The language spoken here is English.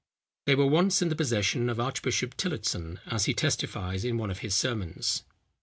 They were once in the possession of Archbishop Tillotson, as he testifies in one of his sermons.